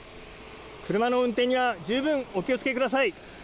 車の運転には十分お気をつけください。